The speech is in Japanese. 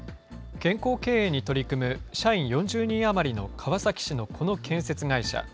健康経営に取り組む社員４０人余りの川崎市のこの建設会社。